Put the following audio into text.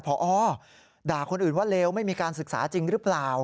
พอด่าคนอื่นว่าเลวไม่มีการศึกษาจริงหรือเปล่า